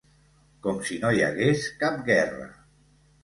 Com si no hi hagués cap guerra